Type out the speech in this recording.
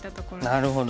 なるほど。